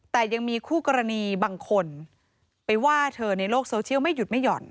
แต่ยังมีคู่กรณีบางคนไปว่าเธอในโลกโซเชียลไม่หยุดไม่หย่อน